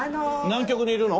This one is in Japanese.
南極にいるの？